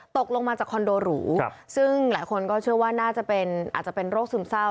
ตกลงมาจากคอนโดหรูซึ่งหลายคนก็เชื่อว่าน่าจะเป็นอาจจะเป็นโรคซึมเศร้า